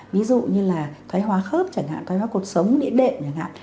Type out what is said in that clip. ví dụ như là thoái hóa khớp chẳng hạn thoái hóa cuộc sống điện đệm chẳng hạn